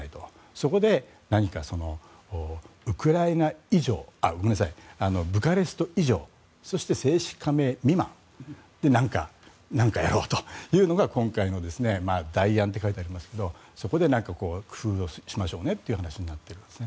そこで、何かブカレスト以上そして加盟未満何かやろうというのが今回の代案って書いてありますがそこで工夫をしましょうねという話になっています。